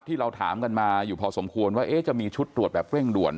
ที่เราถามกันมาอยู่พอสมควรว่าจะมีชุดตรวจแบบเร่งด่วน